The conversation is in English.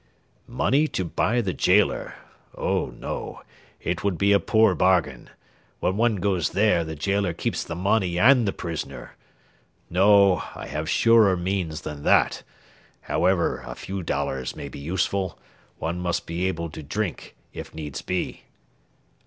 "Money to buy the gaoler! Oh, no, it would be a poor bargain; when one goes there the gaoler keeps the money and the prisoner! No, I have surer means than that; however, a few dollars may be useful; one must be able to drink, if needs be."